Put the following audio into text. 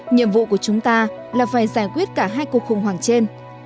nhiệm vụ của chúng ta là phải giải quyết cả hai cuộc khủng hoảng trên